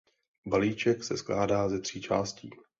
Balíček se skládá ze tří částí.